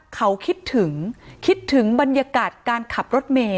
เขาคิดถึงบรรยากาศการขับรถเม